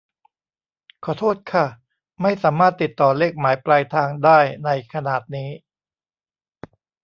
ขอโทษค่ะ ไม่สามารถติดต่อเลขหมายปลายทางได้ในขนาดนี้